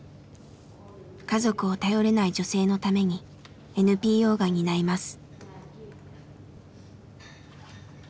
家族を頼れない女性のためにＮＰＯが担います。